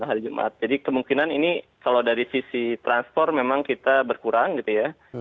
hari jumat jadi kemungkinan ini kalau dari sisi transfer memang kita berkurang gitu ya